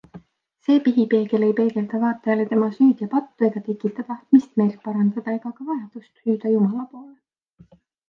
See pihipeegel ei peegelda vaatajale tema süüd ja pattu ega tekita tahtmist meelt parandada ega ka vajadust hüüda Jumala poole.